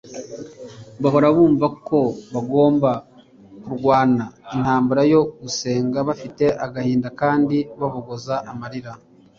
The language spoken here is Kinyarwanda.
bahora bumva ko bagomba kurwana intambara yo gusenga bafite agahinda kandi babogoza amarira